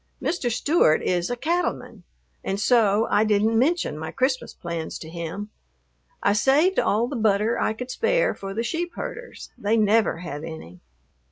Mr. Stewart is a cattle man, and so I didn't mention my Christmas plans to him. I saved all the butter I could spare for the sheep herders; they never have any.